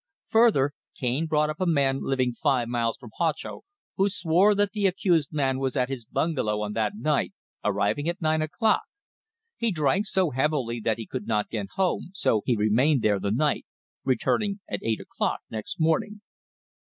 Further, Cane brought up a man living five miles from Huacho who swore that the accused man was at his bungalow on that night, arriving at nine o'clock. He drank so heavily that he could not get home, so he remained there the night, returning at eight o'clock next morning."